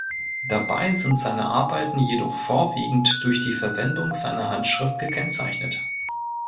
Dabei sind seine Arbeiten jedoch vorwiegend durch die Verwendung seiner Handschrift gekennzeichnet.